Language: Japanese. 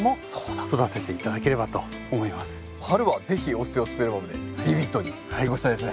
春は是非オステオスペルマムでビビッドに過ごしたいですね。